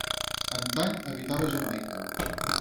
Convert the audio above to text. Antany habitava Jamaica.